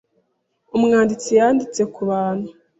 Umwanditsi yanditse ku bantu